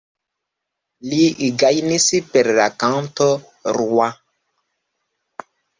Li gajnis per la kanto "Roi".